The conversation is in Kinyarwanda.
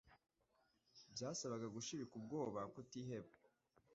byasabaga gushirika ubwoba kutiheba